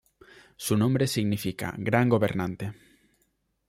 Su nombre significa "Gran gobernante".